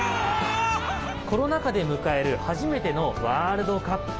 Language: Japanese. コロナ禍で迎える初めてのワールドカップ。